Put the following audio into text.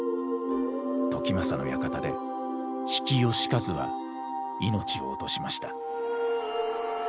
時政の館で比企能員は命を落としました。